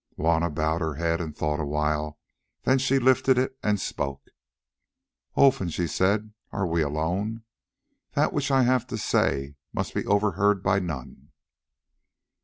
Juanna bowed her head and thought awhile, then she lifted it and spoke. "Olfan," she said, "are we alone? That which I have to say must be overheard by none."